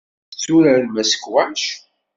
Tetturarem asekwac?